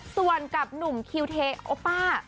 ส่วนกับหนุ่มคิวเทโอป้า